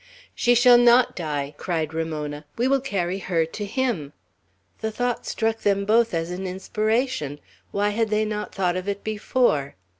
"She shall not die!" cried Ramona. "We will carry her to him!" The thought struck them both as an inspiration. Why had they not thought of it before?